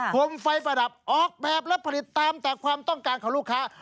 มไฟประดับออกแบบและผลิตตามแต่ความต้องการของลูกค้า